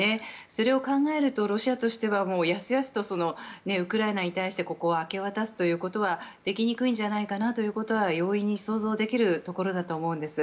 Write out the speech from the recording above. それを考えるとロシアとしては易々とウクライナに対してここを明け渡すということはできにくいんじゃないかなということは容易に想像できるところだと思うんです。